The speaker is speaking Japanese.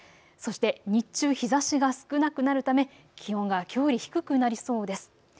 そして日中、日ざしが少なくなるため気温は、きょうより低くなりそうです。